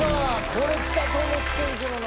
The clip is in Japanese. これきたと思ってんけどな。